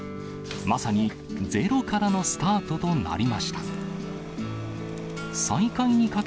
まさにゼロからのスタートとなりました。